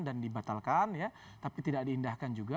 dan dibatalkan ya tapi tidak diindahkan juga